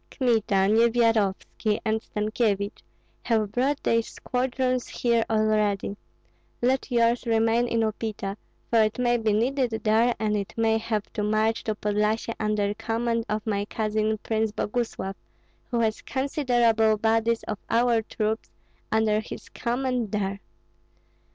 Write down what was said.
Kmita, Nyevyarovski, and Stankyevich have brought their squadrons here already; let yours remain in Upita, for it may be needed there, and it may have to march to Podlyasye under command of my cousin Prince Boguslav, who has considerable bodies of our troops under his command there.